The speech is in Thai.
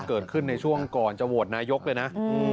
เกิดขึ้นในช่วงก่อนจะโหวตนายกเลยนะ